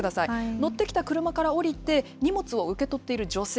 乗ってきた車から降りて、荷物を受け取っている女性。